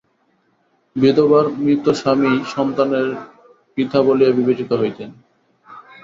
বিধবার মৃত স্বামীই সন্তানের পিতা বলিয়া বিবেচিত হইতেন।